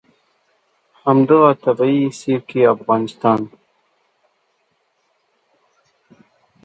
په همدغه طبعي سیر کې افغانستان.